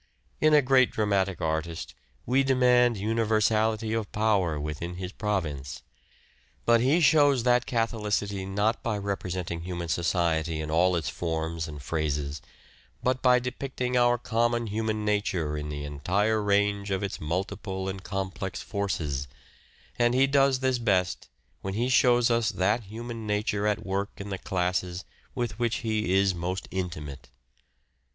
In a great dramatic artist we demand universality of power within his province ; but he shows that catholicity, not by representing human society in all its forms and phases, but by depicting our common human nature in the entire range of its multiple and complex forces ; and he does this best when he shows us that human nature at work in the classes with which he is most intimate.